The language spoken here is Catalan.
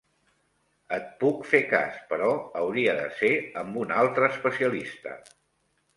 Et puc fer cas, però hauria de ser amb un altre especialista.